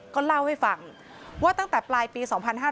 ก็เล่าให้ฟังว่าตั้งแต่ปลายปี๒๕๕๙